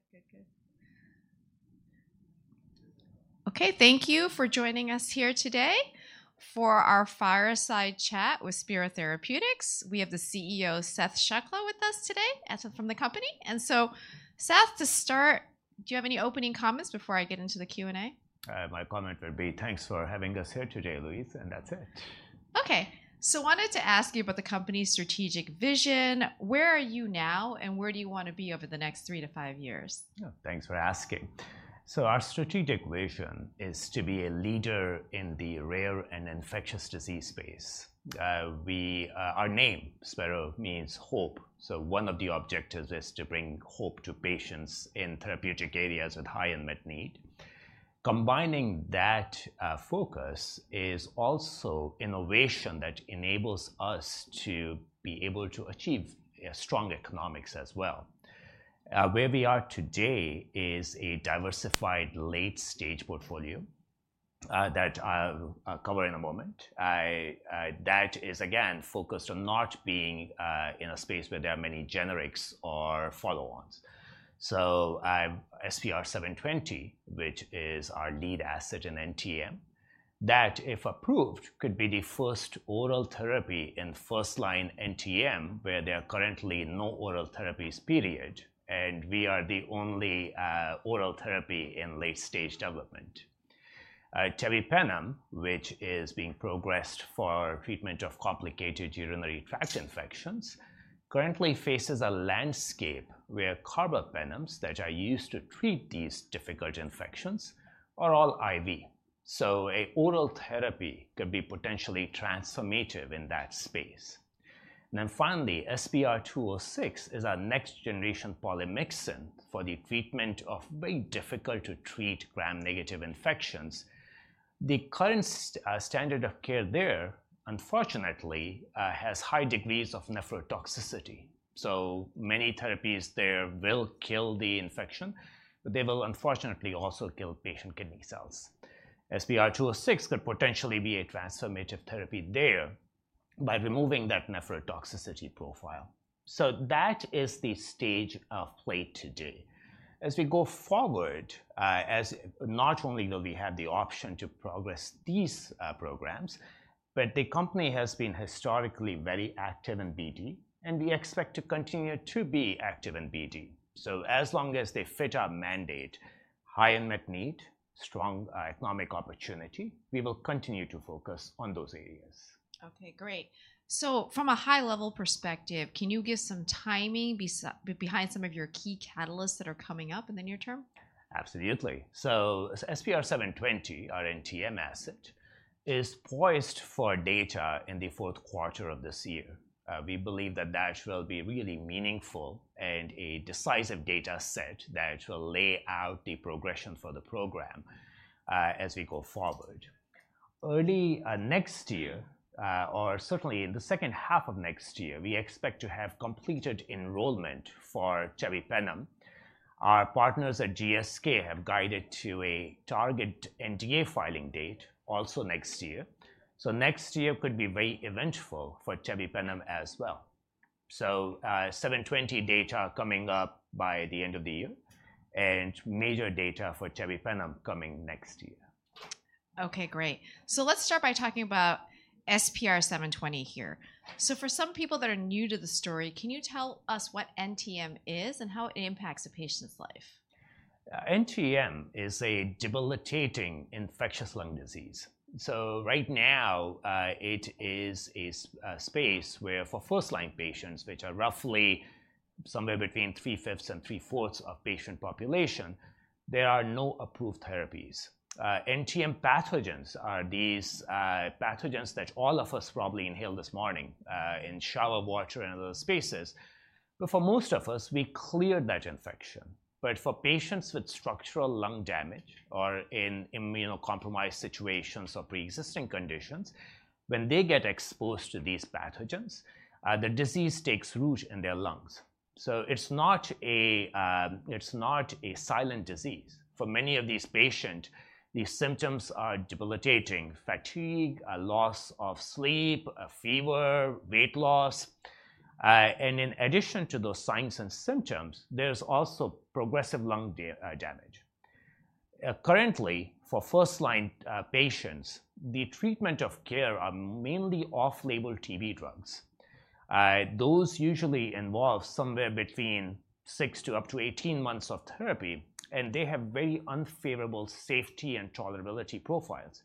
Okay, good. Okay, thank you for joining us here today for our fireside chat with Spero Therapeutics. We have the CEO, Sath Shukla, with us today, Sath from the company. And so, Sath, to start, do you have any opening comments before I get into the Q&A? My comment would be, thanks for having us here today, Louise, and that's it. Okay. So wanted to ask you about the company's strategic vision. Where are you now, and where do you want to be over the next three-to-five years? Yeah, thanks for asking. Our strategic vision is to be a leader in the rare and infectious disease space. Our name, Spero, means hope, so one of the objectives is to bring hope to patients in therapeutic areas with high unmet need. Combining that focus is also innovation that enables us to achieve strong economics as well. Where we are today is a diversified late-stage portfolio that I'll cover in a moment. That is, again, focused on not being in a space where there are many generics or follow-ons. So, SPR720, which is our lead asset in NTM, that if approved could be the first oral therapy in first-line NTM, where there are currently no oral therapies, period, and we are the only oral therapy in late-stage development. Tebipenem, which is being progressed for treatment of complicated urinary tract infections, currently faces a landscape where carbapenems, that are used to treat these difficult infections, are all IV. So a oral therapy could be potentially transformative in that space. Then finally, SPR206 is our next-generation polymyxin for the treatment of very difficult-to-treat Gram-negative infections. The current standard of care there, unfortunately, has high degrees of nephrotoxicity. So many therapies there will kill the infection, but they will, unfortunately, also kill patient kidney cells. SPR206 could potentially be a transformative therapy there by removing that nephrotoxicity profile. So that is the state of play today. As we go forward, not only will we have the option to progress these programs, but the company has been historically very active in BD, and we expect to continue to be active in BD. So as long as they fit our mandate, high unmet need, strong economic opportunity, we will continue to focus on those areas. Okay, great. So from a high-level perspective, can you give some timing behind some of your key catalysts that are coming up in the near term? Absolutely. So SPR720, our NTM asset, is poised for data in the fourth quarter of this year. We believe that that will be really meaningful and a decisive data set that will lay out the progression for the program, as we go forward. Early, next year, or certainly in the second half of next year, we expect to have completed enrollment for Tebipenem. Our partners at GSK have guided to a target NDA filing date, also next year. So next year could be very eventful for Tebipenem as well. So, 720 data coming up by the end of the year, and major data for Tebipenem coming next year. Okay, great. So let's start by talking about SPR720 here. So for some people that are new to the story, can you tell us what NTM is and how it impacts a patient's life? NTM is a debilitating infectious lung disease. So right now, it is a space where, for first-line patients, which are roughly somewhere between 3/5 and 3/4 of patient population, there are no approved therapies. NTM pathogens are these, pathogens that all of us probably inhaled this morning, in shallow water and other spaces. But for most of us, we cleared that infection. But for patients with structural lung damage or in immunocompromised situations or pre-existing conditions, when they get exposed to these pathogens, the disease takes root in their lungs. So it's not a, it's not a silent disease. For many of these patient, the symptoms are debilitating: fatigue, a loss of sleep, a fever, weight loss. And in addition to those signs and symptoms, there's also progressive lung damage. Currently, for first-line patients, the standard of care are mainly off-label TB drugs. Those usually involve somewhere between six to up to 18 months of therapy, and they have very unfavorable safety and tolerability profiles.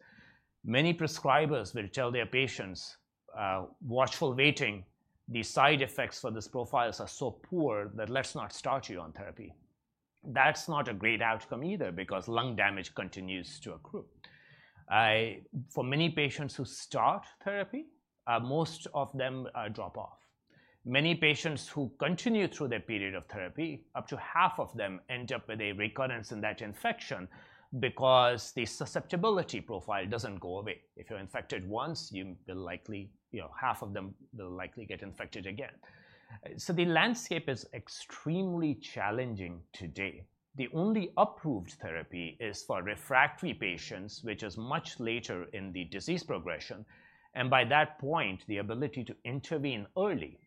Many prescribers will tell their patients, watchful waiting, the side effects for these profiles are so poor that let's not start you on therapy. That's not a great outcome either, because lung damage continues to accrue. For many patients who start therapy, most of them drop off. Many patients who continue through their period of therapy, up to half of them end up with a recurrence in that infection because the susceptibility profile doesn't go away. If you're infected once, you will likely, you know, half of them will likely get infected again, so the landscape is extremely challenging today. The only approved therapy is for refractory patients, which is much later in the disease progression, and by that point, the ability to intervene early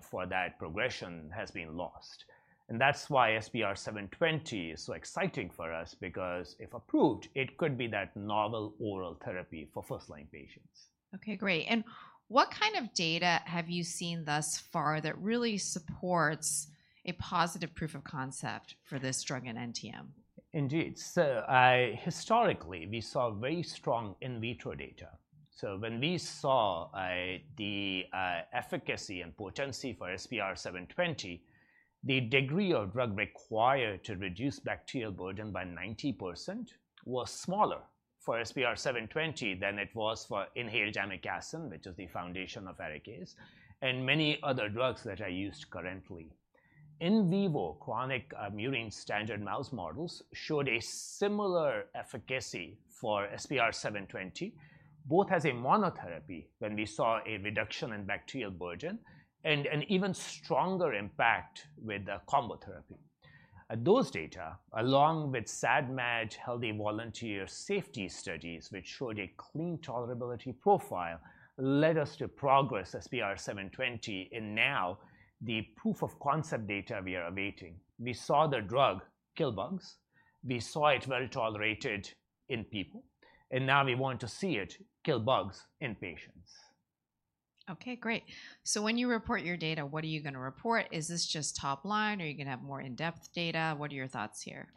for that progression has been lost, and that's why SPR720 is so exciting for us, because if approved, it could be that novel oral therapy for first-line patients. Okay, great. And what kind of data have you seen thus far that really supports a positive proof of concept for this drug in NTM? Indeed. So, historically, we saw very strong in vitro data. So when we saw the efficacy and potency for SPR720, the degree of drug required to reduce bacterial burden by 90% was smaller for SPR720 than it was for inhaled amikacin, which is the foundation of ARIKAYCE, and many other drugs that are used currently. In vivo, chronic murine standard mouse models showed a similar efficacy for SPR720, both as a monotherapy, when we saw a reduction in bacterial burden, and an even stronger impact with the combo therapy. Those data, along with SAD/MAD healthy volunteer safety studies, which showed a clean tolerability profile, led us to progress SPR720, and now the proof of concept data we are awaiting. We saw the drug kill bugs, we saw it well-tolerated in people, and now we want to see it kill bugs in patients. Okay, great. So when you report your data, what are you going to report? Is this just top line, or are you going to have more in-depth data? What are your thoughts here?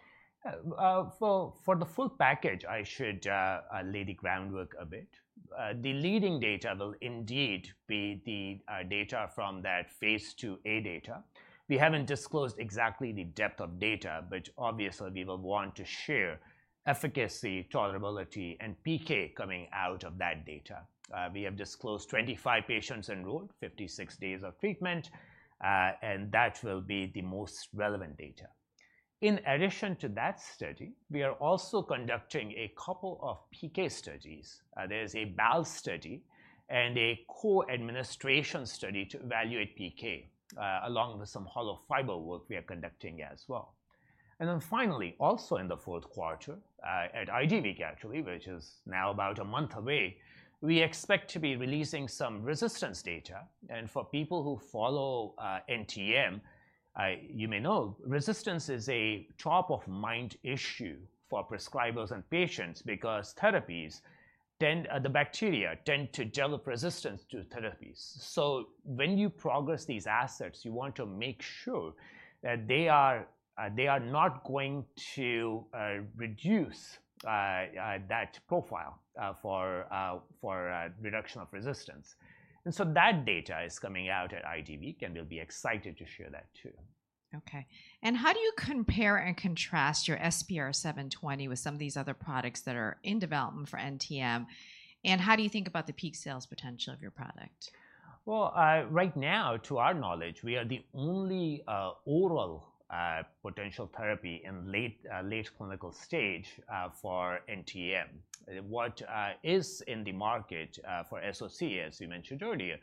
For the full package, I should lay the groundwork a bit. The leading data will indeed be the data from that phase IIa data. We haven't disclosed exactly the depth of data, but obviously, we will want to share efficacy, tolerability, and PK coming out of that data. We have disclosed 25 patients enrolled, 56 days of treatment, and that will be the most relevant data. In addition to that study, we are also conducting a couple of PK studies. There's a BAL study and a co-administration study to evaluate PK, along with some hollow fiber work we are conducting as well. Then finally, also in the fourth quarter, at IDWeek, actually, which is now about a month away, we expect to be releasing some resistance data. And for people who follow NTM, you may know, resistance is a top-of-mind issue for prescribers and patients because the bacteria tend to develop resistance to therapies. So when you progress these assets, you want to make sure that they are not going to reduce that profile for reduction of resistance. And so that data is coming out at IDWeek, and we'll be excited to share that, too. Okay. And how do you compare and contrast your SPR720 with some of these other products that are in development for NTM, and how do you think about the peak sales potential of your product? Right now, to our knowledge, we are the only oral potential therapy in late clinical stage for NTM. What is in the market for SOC, as you mentioned earlier,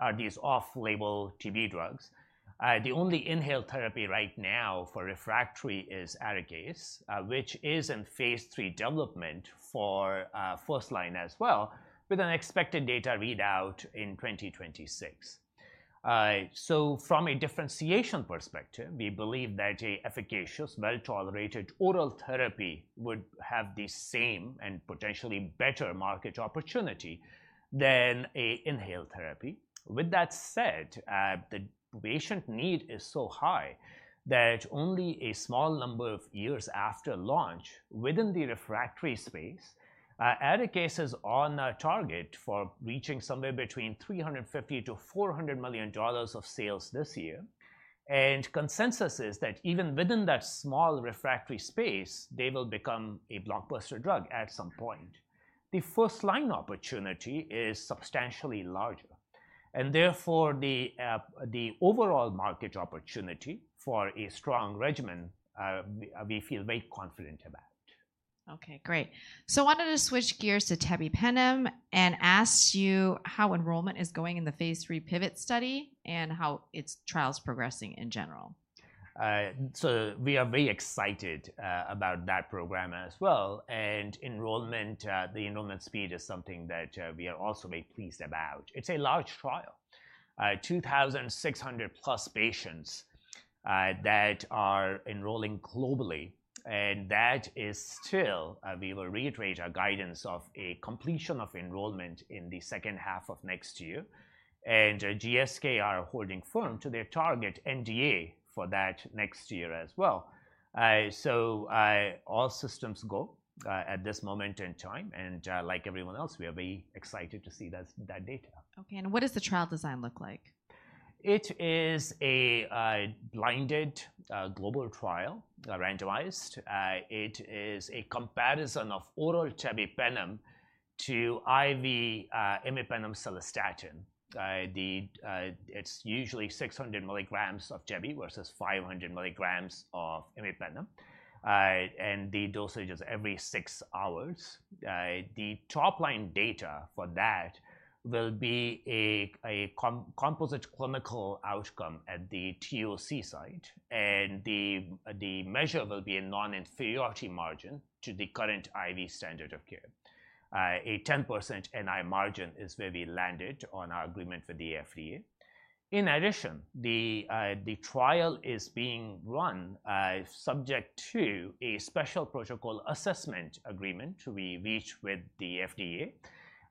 are these off-label TB drugs. The only inhaled therapy right now for refractory is ARIKAYCE, which is in phase III development for first line as well, with an expected data readout in 2026. From a differentiation perspective, we believe that a efficacious, well-tolerated oral therapy would have the same, and potentially better, market opportunity than a inhaled therapy. With that said, the patient need is so high that only a small number of years after launch, within the refractory space, ARIKAYCE is on a target for reaching somewhere between $350 million-$400 million of sales this year. Consensus is that even within that small refractory space, they will become a blockbuster drug at some point. The first-line opportunity is substantially larger, and therefore, the overall market opportunity for a strong regimen, we feel very confident about. Okay, great. So I wanted to switch gears to tebipenem and ask you how enrollment is going in the phase III PIVOT study, and how its trial is progressing in general. So we are very excited about that program as well, and enrollment, the enrollment speed is something that we are also very pleased about. It's a large trial, 2600 plus patients that are enrolling globally, and that is still, we will reiterate our guidance of a completion of enrollment in the second half of next year. And GSK are holding firm to their target NDA for that next year as well. So, all systems go at this moment in time, and, like everyone else, we are very excited to see that, that data. Okay, and what does the trial design look like? ... It is a blinded global trial, randomized. It is a comparison of oral tebipenem to IV imipenem-cilastatin. It's usually 600 milligrams of tebi versus 500 milligrams of imipenem, and the dosage is every six hours. The top-line data for that will be a composite clinical outcome at the TOC site, and the measure will be a non-inferiority margin to the current IV standard of care. A 10% NI margin is where we landed on our agreement with the FDA. In addition, the trial is being run subject to a Special Protocol Assessment agreement we reached with the FDA,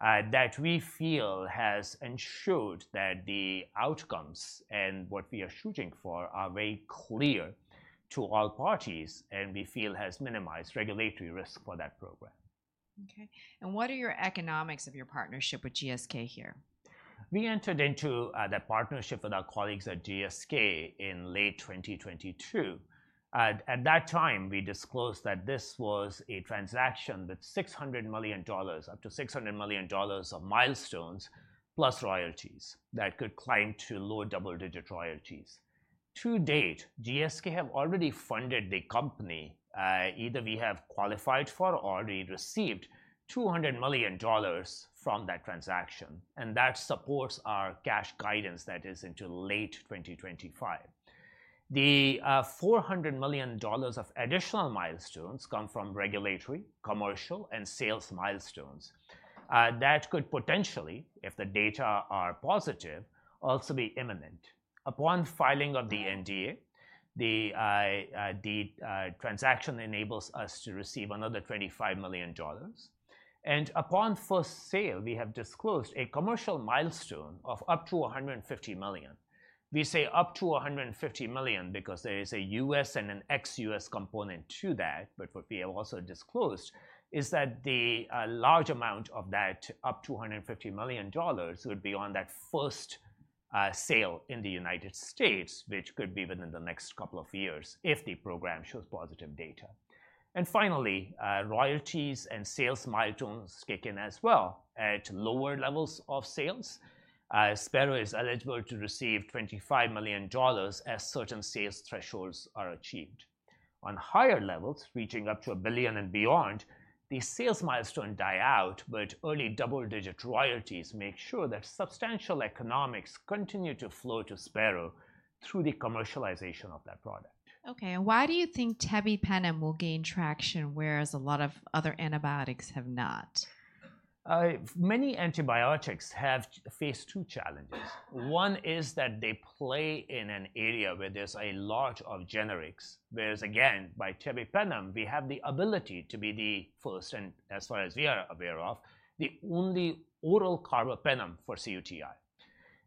that we feel has ensured that the outcomes and what we are shooting for are very clear to all parties, and we feel has minimized regulatory risk for that program. Okay, and what are your economics of your partnership with GSK here? We entered into that partnership with our colleagues at GSK in late 2022. At that time, we disclosed that this was a transaction that's $600 million, up to $600 million of milestones, plus royalties, that could climb to low double-digit royalties. To date, GSK have already funded the company. Either we have qualified for or already received $200 million from that transaction, and that supports our cash guidance that is into late 2025. The $400 million of additional milestones come from regulatory, commercial, and sales milestones. That could potentially, if the data are positive, also be imminent. Upon filing of the NDA, the transaction enables us to receive another $25 million, and upon first sale, we have disclosed a commercial milestone of up to $150 million. We say up to $150 million because there is a U.S. and an ex-U.S. component to that. But what we have also disclosed is that the large amount of that, up to $150 million, would be on that first sale in the United States, which could be within the next couple of years if the program shows positive data. And finally, royalties and sales milestones kick in as well. At lower levels of sales, Spero is eligible to receive $25 million as certain sales thresholds are achieved. On higher levels, reaching up to $1 billion and beyond, the sales milestone die out, but early double-digit royalties make sure that substantial economics continue to flow to Spero through the commercialization of that product. Okay, and why do you think tebipenem will gain traction, whereas a lot of other antibiotics have not? Many antibiotics face two challenges. One is that they play in an area where there's a lot of generics, whereas, again, by tebipenem, we have the ability to be the first, and as far as we are aware of, the only oral carbapenem for cUTI.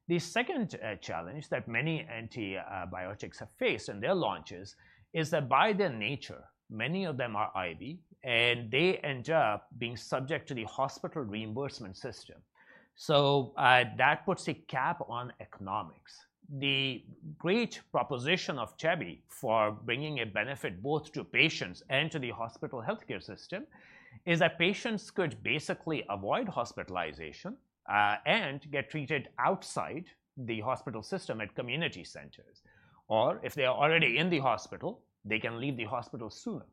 The second challenge that many antibiotics have faced in their launches is that, by their nature, many of them are IV, and they end up being subject to the hospital reimbursement system, so that puts a cap on economics. The great proposition of tebi for bringing a benefit both to patients and to the hospital healthcare system is that patients could basically avoid hospitalization and get treated outside the hospital system at community centers. Or if they are already in the hospital, they can leave the hospital sooner.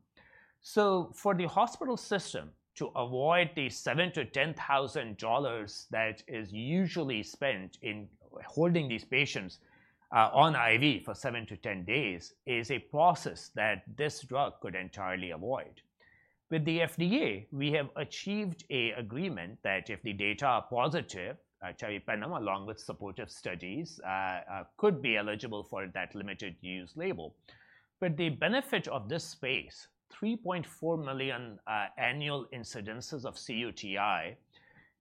For the hospital system to avoid the $7,000-$10,000 that is usually spent in holding these patients, on IV for 7-10 days, is a process that this drug could entirely avoid. With the FDA, we have achieved an agreement that if the data are positive, tebipenem, along with supportive studies, could be eligible for that limited use label. But the benefit of this space, 3.4 million annual incidences of cUTI,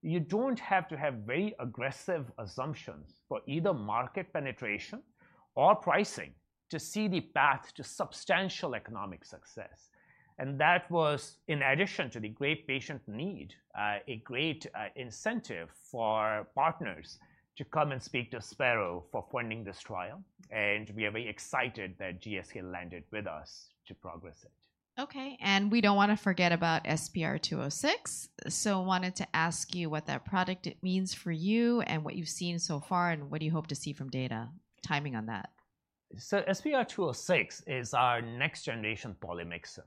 you don't have to have very aggressive assumptions for either market penetration or pricing to see the path to substantial economic success. And that was, in addition to the great patient need, a great incentive for partners to come and speak to Spero for funding this trial, and we are very excited that GSK landed with us to progress it. Okay, and we don't wanna forget about SPR206. So wanted to ask you what that product means for you, and what you've seen so far, and what do you hope to see from data timing on that? So SPR206 is our next-generation polymyxin.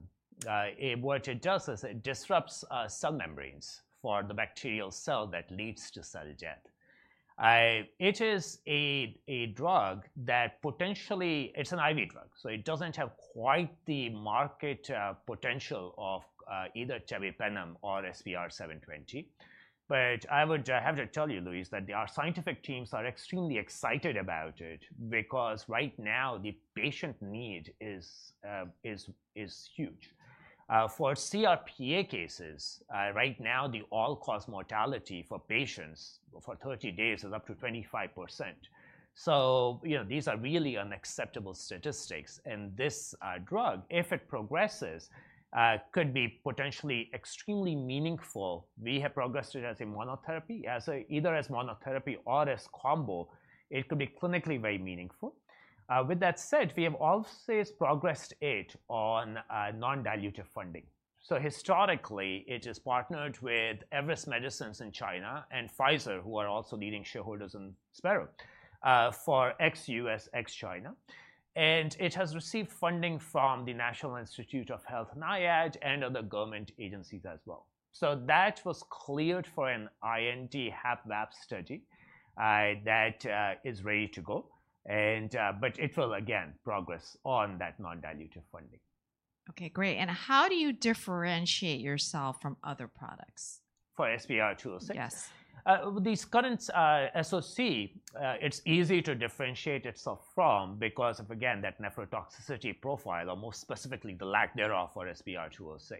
And what it does is it disrupts cell membranes for the bacterial cell that leads to cell death. It is a drug that potentially... It's an IV drug, so it doesn't have quite the market potential of either tebipenem or SPR720. But I would have to tell you, Louise, that our scientific teams are extremely excited about it, because right now, the patient need is huge for CRPA cases right now, the all-cause mortality for patients for 30 days is up to 25%. You know, these are really unacceptable statistics, and this drug, if it progresses, could be potentially extremely meaningful. We have progressed it as a monotherapy, either as monotherapy or as combo, it could be clinically very meaningful. With that said, we have always progressed it on non-dilutive funding. So historically, it is partnered with Everest Medicines in China and Pfizer, who are also leading shareholders in Spero for ex-U.S., ex-China. And it has received funding from the National Institutes of Health, NIAID, and other government agencies as well. So that was cleared for an IND HAP/VAP study that is ready to go. And but it will again progress on that non-dilutive funding. Okay, great. And how do you differentiate yourself from other products? For SPR206? Yes. These current SOC, it's easy to differentiate itself from, because of, again, that nephrotoxicity profile, or more specifically, the lack thereof for SPR206.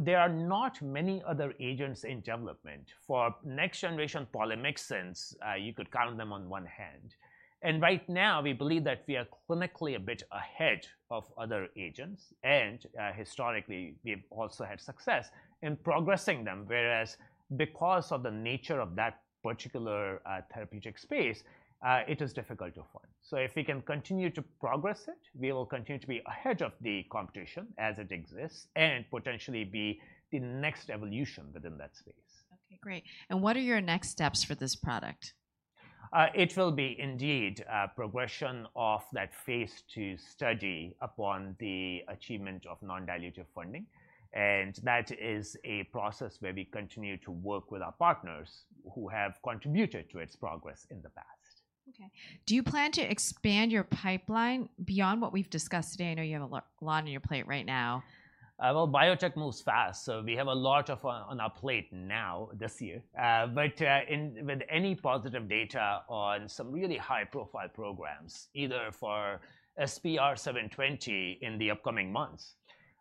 There are not many other agents in development. For next generation polymyxins, you could count them on one hand. Right now, we believe that we are clinically a bit ahead of other agents, and, historically, we've also had success in progressing them, whereas because of the nature of that particular therapeutic space, it is difficult to fund. If we can continue to progress it, we will continue to be ahead of the competition as it exists and potentially be the next evolution within that space. Okay, great. And what are your next steps for this product? It will be indeed a progression of that phase II study upon the achievement of non-dilutive funding, and that is a process where we continue to work with our partners who have contributed to its progress in the past. Okay. Do you plan to expand your pipeline beyond what we've discussed today? I know you have a lot on your plate right now. Biotech moves fast, so we have a lot on our plate now this year. With any positive data on some really high-profile programs, either for SPR720 in the upcoming months,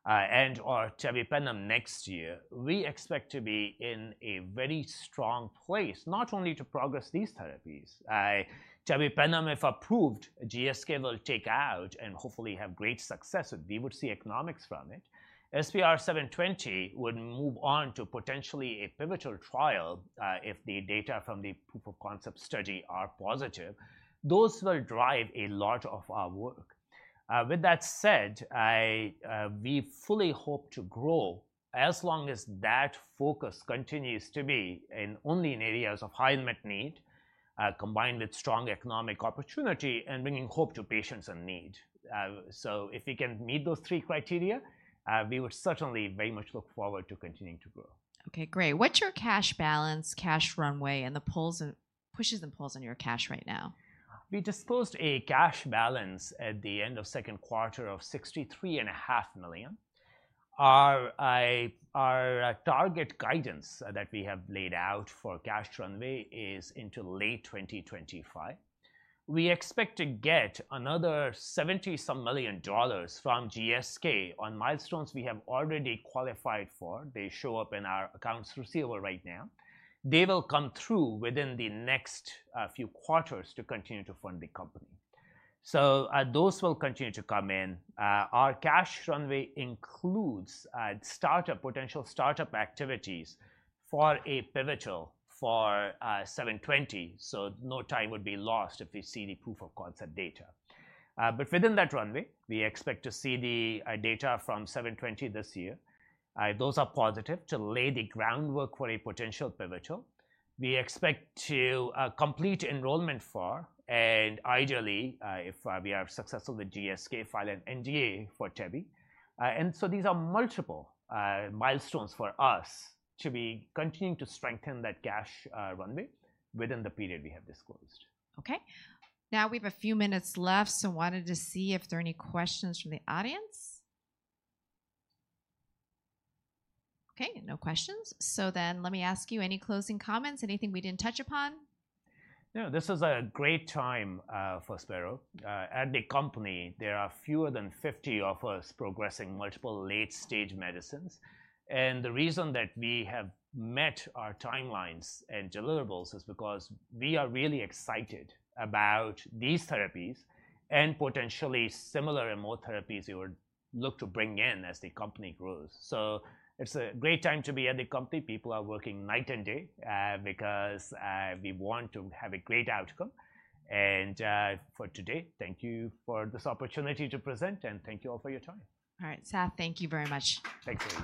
and/or tebipenem next year, we expect to be in a very strong place, not only to progress these therapies. Tebipenem, if approved, GSK will take out and hopefully have great success, and we would see economics from it. SPR720 would move on to potentially a pivotal trial, if the data from the proof of concept study are positive. Those will drive a lot of our work. With that said, we fully hope to grow as long as that focus continues to be only in areas of high unmet need, combined with strong economic opportunity and bringing hope to patients in need. So if we can meet those three criteria, we would certainly very much look forward to continuing to grow. Okay, great. What's your cash balance, cash runway, and the pushes and pulls on your cash right now? We disclosed a cash balance at the end of second quarter of $63.5 million. Our target guidance that we have laid out for cash runway is into late 2025. We expect to get another $70-some million from GSK on milestones we have already qualified for. They show up in our accounts receivable right now. They will come through within the next few quarters to continue to fund the company. So, those will continue to come in. Our cash runway includes potential startup activities for a pivotal for SPR720, so no time would be lost if we see the proof-of-concept data. But within that runway, we expect to see the data from SPR720 this year, if those are positive, to lay the groundwork for a potential pivotal. We expect to complete enrollment for, and ideally, if we are successful with GSK, file an NDA for tebi. And so these are multiple milestones for us to be continuing to strengthen that cash runway within the period we have disclosed. Okay. Now, we have a few minutes left, so wanted to see if there are any questions from the audience. Okay, no questions. So then let me ask you, any closing comments? Anything we didn't touch upon? No, this is a great time for Spero. At the company, there are fewer than 50 of us progressing multiple late-stage medicines, and the reason that we have met our timelines and deliverables is because we are really excited about these therapies and potentially similar and more therapies we would look to bring in as the company grows. So it's a great time to be at the company. People are working night and day because we want to have a great outcome. And for today, thank you for this opportunity to present, and thank you all for your time. All right, Sath, thank you very much. Thank you.